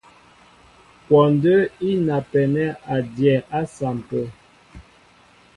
Kwɔndə́ í napɛnɛ́ a dyɛɛ á sampə̂.